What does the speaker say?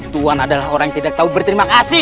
tuhan adalah orang yang tidak tahu berterima kasih